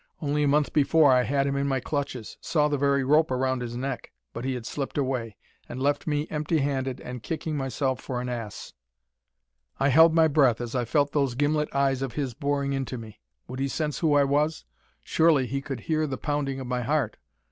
Only a month before I had him in my clutches; saw the very rope around his neck. But he had slipped away, and left me empty handed and kicking myself for an ass. I held my breath as I felt those gimlet eyes of his boring into me. Would he sense who I was? Surely he could hear the pounding of my heart.